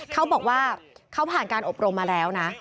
เขาบอกว่าเขาผ่านการอบรมมาแล้วนะ